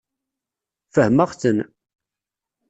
Fehmeɣ-ten.